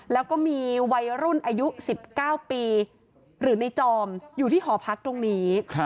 แล้วก็มีวัยรุ่นอายุ๑๙ปีหรือในจอมอยู่ที่หอพักตรงนี้